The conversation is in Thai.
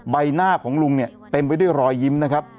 ใบหน้าของลุงเนี่ยเต็มไปด้วยรอยยิ้มนะครับ